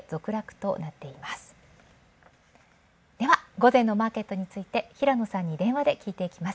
午前のマーケットについて、平野さんに電話で聞いていきます。